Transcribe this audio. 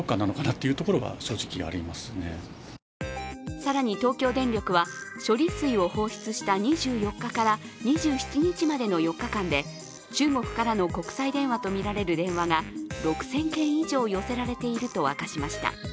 更に、東京電力は処理水を放出した２４日から２７日までの４日間で中国からの国際電話とみられる電話が６０００件以上寄せられていると明かしました。